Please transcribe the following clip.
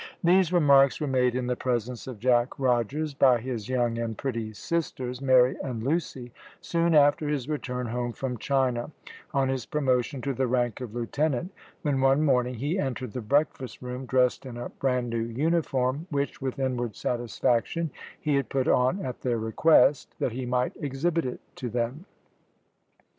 These remarks were made in the presence of Jack Rogers by his young and pretty sisters, Mary and Lucy, soon after his return home from China, on his promotion to the rank of Lieutenant, when one morning he entered the breakfast room, dressed in a bran new uniform, which, with inward satisfaction, he had put on at their request, that he might exhibit it to them.